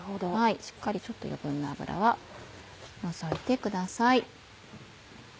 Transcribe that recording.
しっかりちょっと余分な脂は除いてください。